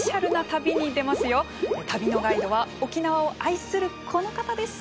旅のガイドは沖縄を愛するこの方です。